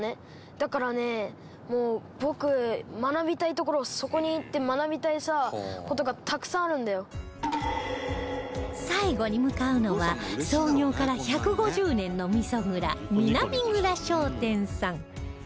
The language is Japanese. だからねもう僕学びたいところそこに行って最後に向かうのは創業から１５０年の味蔵南蔵商店さん